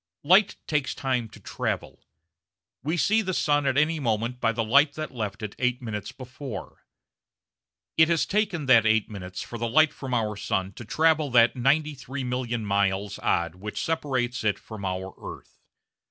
Light takes time to travel. We see the sun at any moment by the light that left it 8 minutes before. It has taken that 8 minutes for the light from the sun to travel that 93,000,000 miles odd which separates it from our earth.